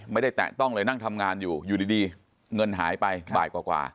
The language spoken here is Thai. แตะต้องเลยนั่งทำงานอยู่อยู่ดีเงินหายไปบ่ายกว่า